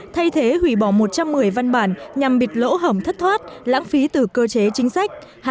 thay thế hủy bỏ một trăm một mươi văn bản nhằm bịt lỗ hỏng thất thoát lãng phí từ cơ chế chính sách